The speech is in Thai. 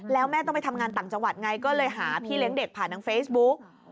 แล้วแม่ต้องไปทำงานต่างจังหวัดไงก็เลยหาพี่เลี้ยงเด็กผ่านทางเฟซบุ๊ก